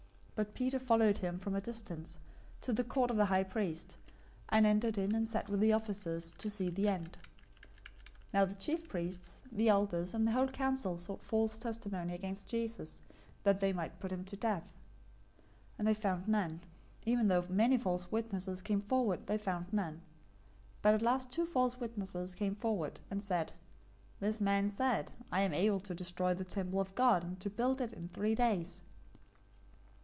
026:058 But Peter followed him from a distance, to the court of the high priest, and entered in and sat with the officers, to see the end. 026:059 Now the chief priests, the elders, and the whole council sought false testimony against Jesus, that they might put him to death; 026:060 and they found none. Even though many false witnesses came forward, they found none. But at last two false witnesses came forward, 026:061 and said, "This man said, 'I am able to destroy the temple of God, and to build it in three days.'"